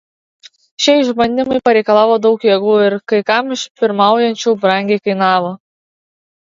Šie išbandymai pareikalavo daug jėgų ir kai kam iš pirmaujančių brangiai kainavo.